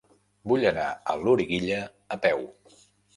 Vull anar a Loriguilla a peu.